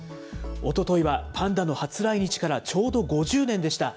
おとといはパンダの初来日からちょうど５０年でした。